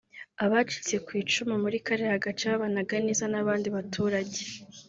Abacitse ku icumu muri kariya gace babanaga neza n’abandi baturage